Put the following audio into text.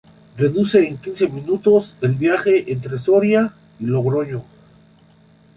Reduce en quince minutos el viaje entre Soria y Logroño.